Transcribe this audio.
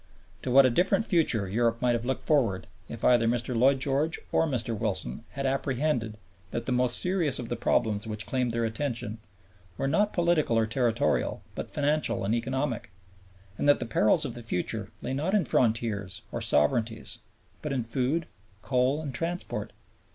To what a different future Europe might have looked forward if either Mr. Lloyd George or Mr. Wilson had apprehended that the most serious of the problems which claimed their attention were not political or territorial but financial and economic, and that the perils of the future lay not in frontiers or sovereignties but in food, coal, and transport.